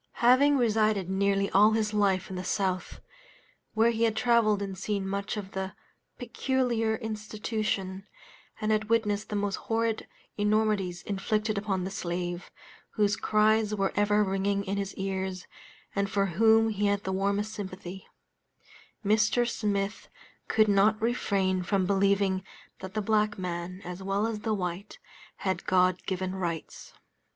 Having resided nearly all his life in the South, where he had traveled and seen much of the "peculiar institution," and had witnessed the most horrid enormities inflicted upon the slave, whose cries were ever ringing in his ears, and for whom he had the warmest sympathy, Mr. Smith could not refrain from believing that the black man, as well as the white, had God given rights.